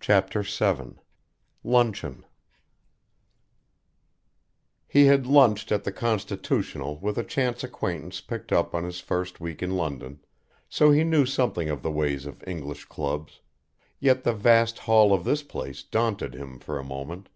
CHAPTER VII LUNCHEON He had lunched at the Constitutional with a chance acquaintance picked up on his first week in London, so he knew something of the ways of English clubs, yet the vast hall of this place daunted him for a moment.